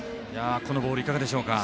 このボールいかがでしょうか。